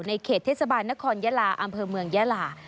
เขตเทศบาลนครยาลาอำเภอเมืองยาลา